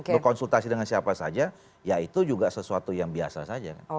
berkonsultasi dengan siapa saja ya itu juga sesuatu yang biasa saja